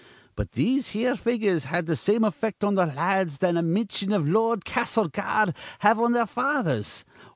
But these here figures had th' same effect on th' la ads that a mintion iv Lord Castlereagh'd have on their fathers.